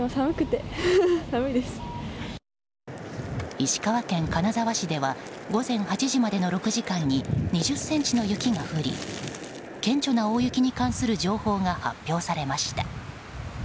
石川県金沢市では午前８時までの６時間に２０ｃｍの雪が降り顕著な大雪に関する情報が発表されました。